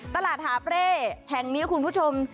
ตลาดหาเปร่แห่งนี้คุณผู้ชม